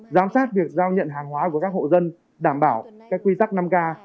giám sát việc giao nhận hàng hóa của các hộ dân đảm bảo các quy tắc năm k